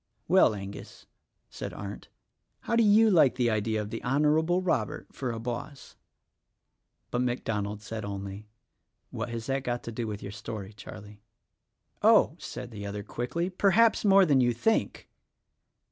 "Well, Angus," said Arndt, "how do you like the idea of the Honorable Robert for a boss?" But MacDonald said only, "What has that got to do with your story, Charlie?" "Oh!" said the other quickly, "perhaps more than you think."